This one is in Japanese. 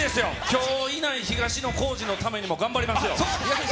きょう、いない東野幸治のためにも頑張りますよ。